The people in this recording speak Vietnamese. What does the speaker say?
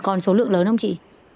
còn số lượng lớn không chị